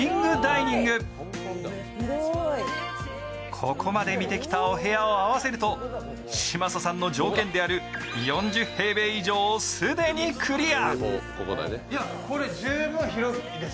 ここまで見てきたお部屋を合わせると、嶋佐さんの条件である４０平米以上を既にクリア。